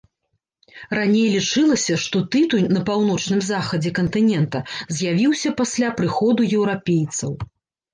Раней лічылася, што тытунь на паўночным захадзе кантынента з'явіўся пасля прыходу еўрапейцаў.